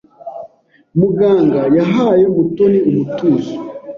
Muganga yahaye Mutoni umutuzo.